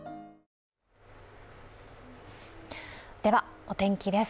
では、お天気です。